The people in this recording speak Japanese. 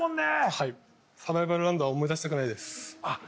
はいサバイバルラウンドは思い出したくないですあっ